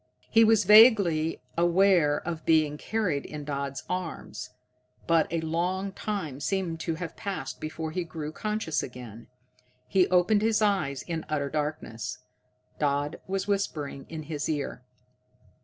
He was vaguely aware of being carried in Dodd's arms, but a long time seemed to have passed before he grew conscious again. He opened his eyes in utter darkness. Dodd was whispering in his ear.